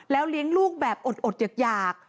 เลี้ยงลูกแบบอดอยาก